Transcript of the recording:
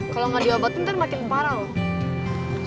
kalau gak diobatin nanti makin parah loh